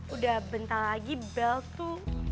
udah bentar lagi belt tuh